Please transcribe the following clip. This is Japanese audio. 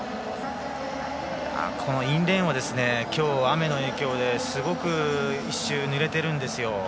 インレーンが雨の影響ですごくぬれているんですよ。